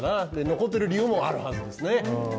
残っている理由もあるはずですね。